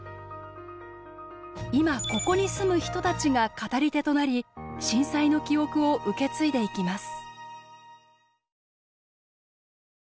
今ここに住む人たちが語り手となり震災の記憶を受け継いでいきます。